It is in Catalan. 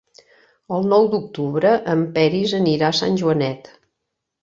El nou d'octubre en Peris anirà a Sant Joanet.